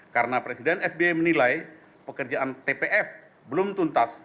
karena presiden sbe menilai pekerjaan tpf belum tuntas